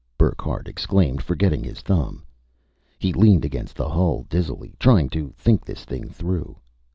Burckhardt exclaimed, forgetting his thumb. He leaned against the hull dizzily, trying to think this thing through.